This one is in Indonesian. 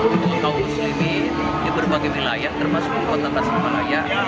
untuk kaum muslimi di berbagai wilayah termasuk kota tasikmalaya